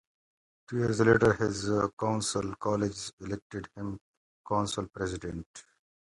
Two years later his council colleagues elected him council president.